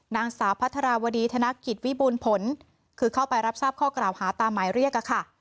นางสาวพัฒนาวดีธนกิจวิบูรณ์ผลคือเข้าไปรับทราบข้อกล่าวหาตามหมายเรียกอะค่ะ